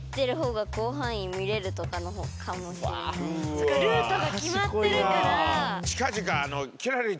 そうかルートが決まってるから。